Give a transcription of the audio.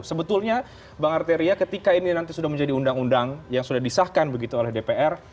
sebetulnya bang arteria ketika ini nanti sudah menjadi undang undang yang sudah disahkan begitu oleh dpr